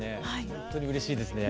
ほんとにうれしいですね。